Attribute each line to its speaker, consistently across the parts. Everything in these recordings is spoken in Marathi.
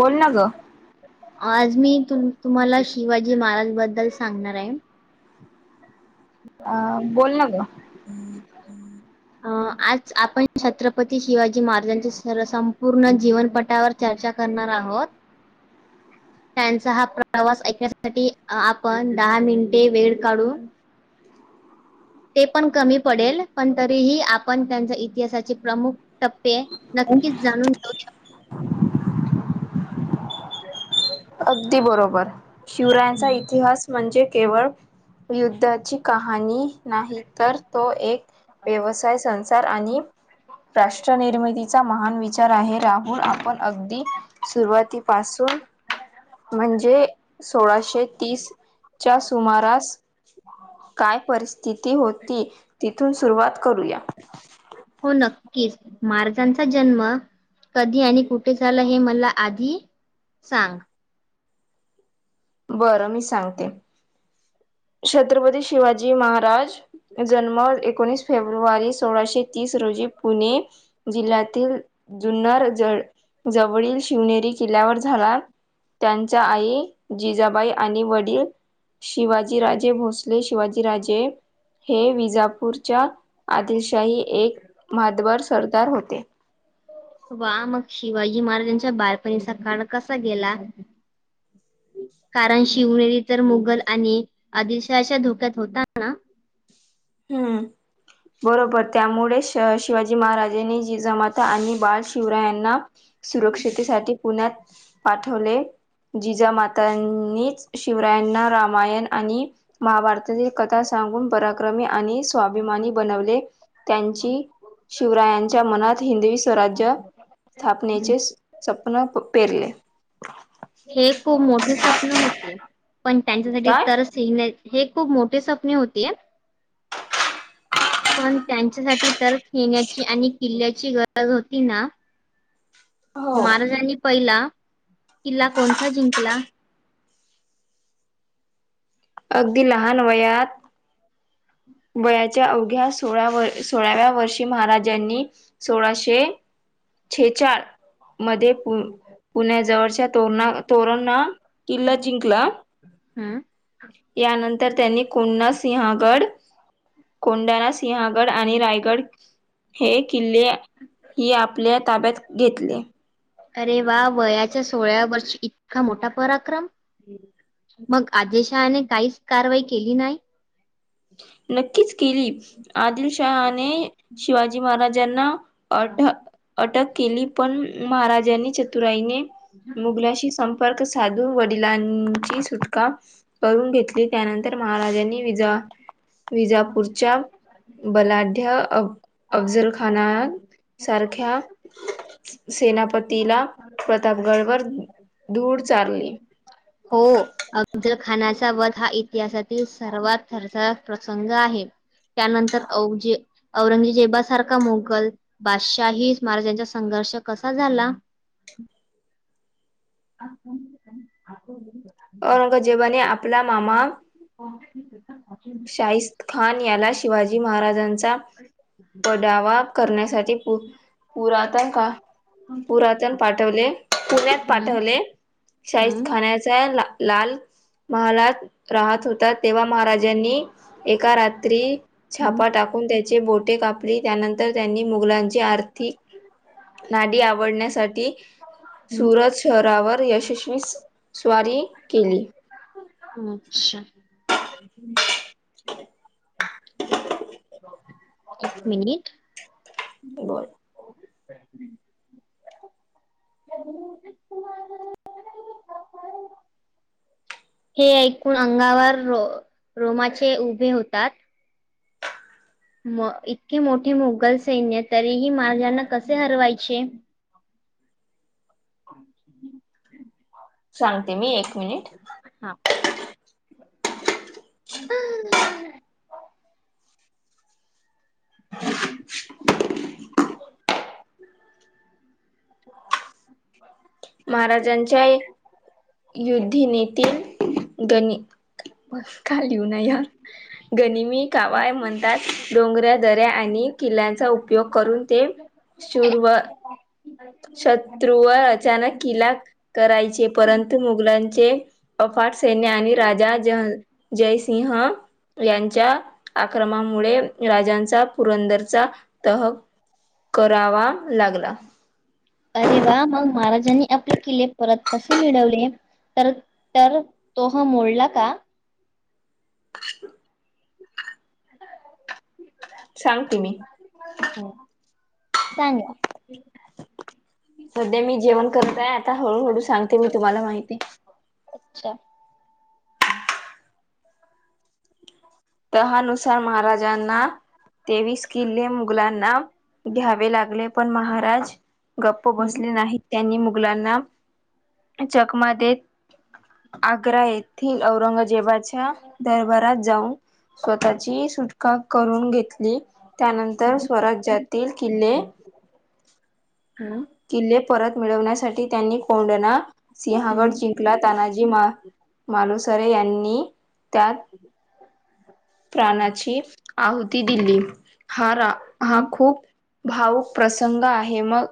Speaker 1: बोल ना ग
Speaker 2: आज मी तु तुम्हाला शिवाजी महाराज बद्दल सांगणार आहे
Speaker 1: अ बोल ना ग
Speaker 2: अ आज आपण छत्रपती शिवाजी महाराजांच्या स संपूर्ण जीवनपटावर चर्चा करणार आहोत त्यांचा हा प्रवास ऐकण्यासाठी आपण दहा मिनिटे वेळ काढून ते पण कमी पडेल पण तरीही आपण त्यांच्या इतिहासाचे प्रमुख टप्पे नक्कीच जाणून घऊ शक
Speaker 1: अगदी बरोबर शिवरायांचा
Speaker 2: शकतो.
Speaker 1: इतिहास म्हणजे केवळ युद्धाची कहाणी नाही तर तो एक व्यवसाय संसार आणि राष्ट राष्ट निर्मितीचा महान विचार आहे राहुल आपण अगदी सुरुवातीपासून म्हणजे सोळाशे तीस च्या सुमारास काय परिस्थिती होती तिथून सुरुवात करूया
Speaker 2: हो नक्कीच मारजांचा जन्म कधी आणि कुठे झालं हे मला आधी सांग
Speaker 1: बरं मी सांगते छत्रपती शिवाजी महाराज जन्म एकोणीस फेब्रुवारी सोळाशे तीस रोजी पुणे जिल्ह्यातील जुन्नर ज जवळील शिवनेरी किल्ल्यावर झाला त्यांचा आई जिजाबाई आणि वडील शिवाजी राे भोसले शिवाजीराजे हे विजापूरच्या आदिलशाही एक म्हधवार सरदार होते
Speaker 2: वा मग शिवाजी महाराजांच्या बालपणीचा काण कसा गेला कारण शिवनेरी तर मुघल आणि आदिशच्या धोक्यात होता ना.
Speaker 1: हम्म. बरोबर त्यामुळे शिवाजी महाराजांनी जिजामाता आणि बाल शिवरायांना सुरक्षितसाठी पुण्यात पाठवले जिजामातांनीच शिवरायांना रामायण आणि महाभारतातील कथा सांगून पराक्रमी आणि स्वाभिमानी बनवले त्यांची शिवरायांच्या मनात हिंदवी स्वराज्य स्थापनेचे. सपन पेरले
Speaker 2: हे खूप मोठे स्वप्न होते पण त्यांच्यासाठी
Speaker 1: काय?
Speaker 2: तरच हे खूप मोठे स्पने होतेय पण त्यांच्यासाठी तर खेण्याची आणि किल्ल्याची गरज होती ना
Speaker 1: हो.
Speaker 2: महाराजांनी पहिला किल्ला कोणता जिंकला
Speaker 1: अगदी लहान वयात वयाच्या अवघ्या सोळा व सोळाव्या वर्षी महाराजांनी सोळाशे छेचाळ मध्ये पु पुण्याजवळच्या तोरणा तोरणा किल्ला जिंकला.
Speaker 2: हु
Speaker 1: यानंतर त्यांनी कोण्णा सिहंगड कोंडाणा सिंहगड आणि रायगड. हे किल्ले ही आपल्या ताब्यात घेतले.
Speaker 2: अरे वा वयाच्या सोळाव्या वर्षी इतका मोठा पराक्रम. मग आधीलशहाणे काहीच कारवाई केली नाय.
Speaker 1: नक्कीच केली आदिलशहाने शिवाजी महाराजांना अ अटक केली पण महाराजांनी चतुराईने मुघलाशी संम र्कदु साधू वडिलांची सुटका करून घेतली त्यानंतर महाराजांनी विजा विजापूरच्या बलाढ्या अ अफझलखान खना सारख्या सेनापती तिला प्रतापगड वर धूर चारली
Speaker 2: हो अफजल खानाचा वध हा इतिहासातील सर्वात थरचा प्रसंग आहे. त्यानंतर अवचे औरंगजेबासारखा मुघल बादशाही महाराजांचा संघर्ष कसा झाला. ह
Speaker 1: औरंगजेबाने आपला मामा
Speaker 2: हो
Speaker 1: शाहिस्तेखान याला शिवाजी महाराजांचा पडावा करण्यासाठी. उ उरातन का पुरातन पाठवले पुण्यात
Speaker 2: हम्म
Speaker 1: पाठवले. शाईस
Speaker 2: हम्म
Speaker 1: खाण्याचा ला लाल महालात राहत होता तेव्हा मा त्यांनी एका रात्री छापा
Speaker 2: हम्म
Speaker 1: टाकून त्याचे बोटे कापली त्यानंतर तर त्यांनी मुघलांची आर्थीक नाडी आवळण्यासाठी सुरज थरावर यशस्वी स्वारी केली.
Speaker 2: अच्छा. एक मिनिट.
Speaker 1: बा
Speaker 2: हे ऐकून अंगावर रो रोमाचे उभे होतात. म इतकी मोठी मुघल सैन्य तरीही माज यांना कसे हरवायचे?
Speaker 1: सांगते मी एक मिनिट.
Speaker 2: खना. ऐ [inaudible]
Speaker 1: महाराजांच्या उद्धीनेतील गणित. बस खाळीव ना यार. गनिमी कावाय म्हदात डोंगऱ्या दऱ्या आणि किल्यांचा उपयोग करून ते शूरव.
Speaker 2: ला.
Speaker 1: शत्रूवर अचानक किला करायचे परंतु मुघलांचे अफाट सैन्य आणि राजा जण जयसिंह. यांच्या आक्रमणामुळे राजांचा पुरंदरचा तह करावा लागला.
Speaker 2: अरे वा मग महाराजांनी आपले किल्ले परत कसे मिळवले? तर तर तोह मोडला का?
Speaker 1: सांगते मी.
Speaker 2: सांगा.
Speaker 1: सध्या मी जेवण करत आहे आता. हळूहळू सांगते मी तुम्हाला माहिती.
Speaker 2: अच्छा.
Speaker 1: तहानुसार महाराजांना तेवीस किल्ले मुघलांना घ्यावे लागले पण महाराज गप्प
Speaker 2: हम्म.
Speaker 1: बसले नाही. त्यांनी मुघलांना चकमा देत आग्रा येथील औरंगजेबाच्या दरबारात जाऊन स्वतःची सुटका करून घेतली. त्यानंतर
Speaker 2: हम्म.
Speaker 1: स्वराज्यातील किल्ले
Speaker 2: हम.
Speaker 1: किल्ले परत मिळवण्यासाठी त्यांनी कोंडणा
Speaker 2: हम्म.
Speaker 1: सिंहगड जिं कला तानाजी मा मालुसरे यांनी त्यात प्राणाची आहुती दिली हा रा हा
Speaker 2: हम्म.
Speaker 1: खूप भाऊक प्रसंग आहे मग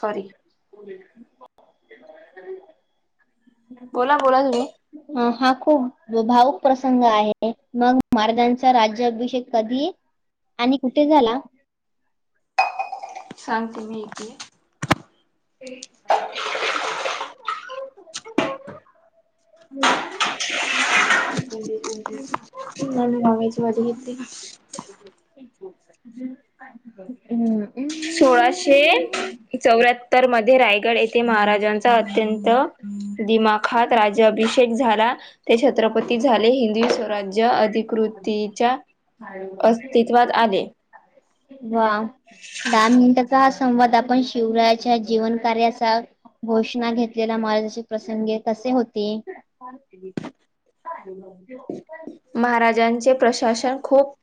Speaker 1: सॉरी.
Speaker 2: [inaudible]
Speaker 1: बोला बोला तुम्ही
Speaker 2: ह हा खूप भावूक प्रसंग आहे मग महाराजांचा राज्याभिषेक कधी? आणि कुठे झाला?
Speaker 1: सांगते मी इथे.
Speaker 2: [inaudible]
Speaker 1: लावायची वाटी घेतली का?
Speaker 2: हम्म.
Speaker 1: सोळाशे चौऱ्याहत्तर मध्ये रायगड येथे महाराजां अत्यंत दिमाखात रज्जाभिषे एक झाला ते छत्रपती झाले हिंदवी स्वराज्य अदि कृतीच्या अस्तित्वात आले.
Speaker 2: हा. दहा मिनिटाचा हा संवाद आपण शिवरायाच्या जीवन कार्याचा घोषणा घेतलेल्या महाराजाची प्रसंगे कसे होते?
Speaker 1: महाराजांचे प्रशासन खूप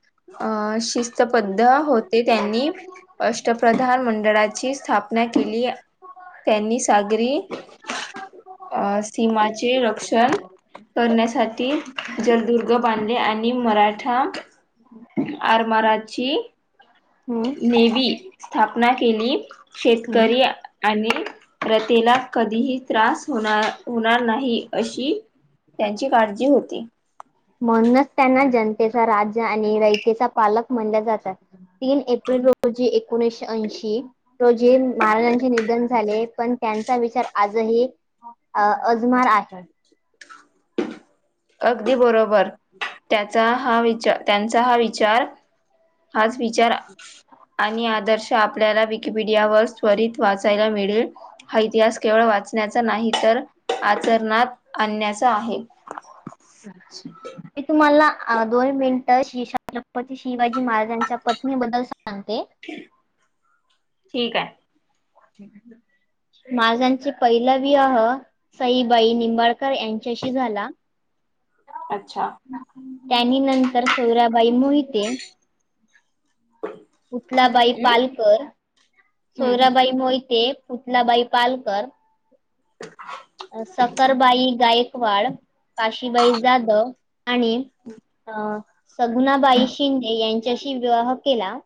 Speaker 1: अ शिस्तबद्ध होते. त्यांनी अष्टप्रधान मंडळाची स्थापना केली. त्यांनी सागरी अस्थीमाचे रक्षण करण्यासाठी जलदुर्ग बांधले आणि मराठा आरमाराची
Speaker 2: हम्म.
Speaker 1: नेवी स्थापना केली. शेतकरी आणि प्रथेला कधीही त्रास होणार होणार नाही अशी त्यांची काळजी होती.
Speaker 2: म्हणूनच त्यांना जनतेचा राजा आणि रयतेचा पालक म्हणल्या जातात. तीन एप्रिल रोजी एकोणीसशे ऐंशी रोजी महाराजांचे निधन झाले. पण त्यांचा विचार आजही अ अजमार आहे.
Speaker 1: अगदी बरोबर त्याचा हा विचार त्यांचा हा विचार हाच विचारा आणि आदर्श आपल्याला विकिपीडिया वर त्वरित वाचायला मिळेल. हा इतिहास केवळ वाचण्याचा नाही तर आचरणात आणण्याचा आहे.
Speaker 2: मी तुम्हाला दोन मे निटं छत्रपती शिवाजी महाराजांच्या पत्नी बद्दल सांगते
Speaker 1: ठीक आहे
Speaker 2: [inaudible] महाराजांचे पहिला विवाह सईबाई निंबाळकर यांच्याशी झाला
Speaker 1: अच्छा
Speaker 2: त्यांनी नंतर सोयराबाई मोहिते पुतलाबाई
Speaker 1: हम्म
Speaker 2: पालकर
Speaker 1: हम्म
Speaker 2: सोयराबाई
Speaker 1: हम्म
Speaker 2: मोहिते पुतलाबाई पालकर सकरबाई गायकवाड काशीबाई जाधव आणि अ सगुणाबाई शिंदे यांच्याशी विवाह केला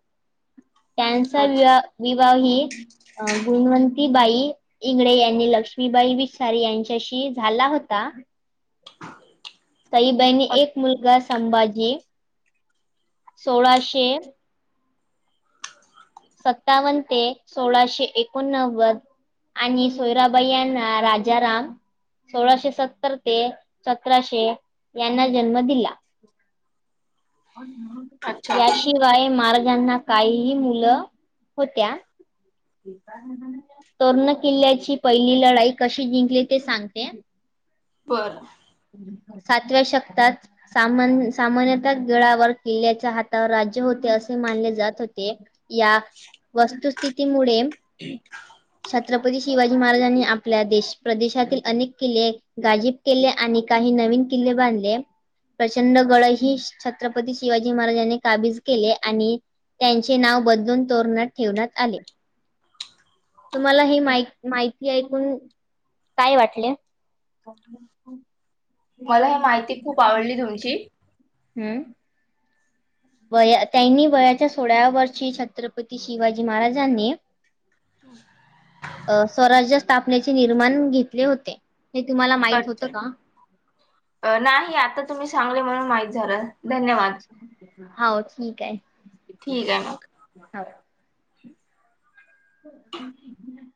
Speaker 2: त्यांचा
Speaker 1: अच्छा.
Speaker 2: विवा विवाह ही गुणवंती बाई इंगडे यांनी लक्ष्मीबाई विचसारी यांच्याशी झाला होता साईबाईनी एक मुलगा संभाजी सोळाशे सत्तावन्न ते सोळाशे एकोणनव्वद आणि सोयराबाई यांना राजाराम सोळाशे सत्तर ते सतराशे यांना जन्म दिला
Speaker 1: अच्छा
Speaker 2: याशिवाय महाराजांना काही मुलं होत्या तोरणा किल्ल्याची पहिली लढाई कशी जिंकली ते सांगते
Speaker 1: बरं
Speaker 2: सातव्या शतकात सामान सामान्यतः गडावर किल्ल्याच्या हातावर राज्य होते असे मानले जात होते या वस्तुस्थितीमुळे
Speaker 1: एक
Speaker 2: छत्रपती शिवाजी महाराजांनी आपल्या देश प्रदेशातील अनेक किल्ले गाजीब केले आणि काही नवीन किल्ले बांधले प्रचंड गड ही छत्रपती शिवाजी महाराजांनी काबीज केले आणि त्यांचे नाव बदलून तोरण ठेवण्यात आले तुम्हाला ह मा माहि ऐकून काय वाटले
Speaker 1: मला ह माहिती खूप आवडली तुमची
Speaker 2: हम्म वया त्यांनी वयाच्या सोळा्याव्या वर्षी छत्रपती शिवाजी महाराजांनी अ स्वराज्य स्थापनेचे निर्माण घेतले होते हे तुम्हाला माहित होतं
Speaker 1: अच्छा
Speaker 2: का
Speaker 1: नाही आता तुम्ही सांगले म्हणून माहीत झालं धन्यवाद
Speaker 2: हो ठीक आहे
Speaker 1: ठीक आहे ना
Speaker 2: हा हो [unintelligible]